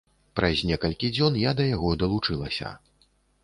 Праз некалькі дзён я да яго далучылася.